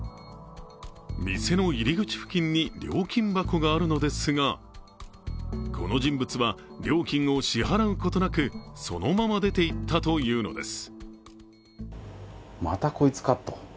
料金箱があるのですがこの人物は料金を支払うことなくそのまま出ていったというのです。